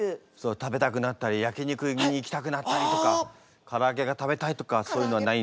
食べたくなったり焼き肉に行きたくなったりとかからあげが食べたいとかそういうのはなったりはしないんですか？